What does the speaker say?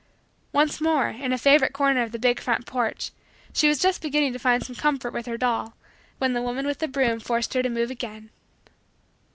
Once more, in a favorite corner of the big front porch, she was just beginning to find some comfort with her doll when the woman with the broom forced her to move again.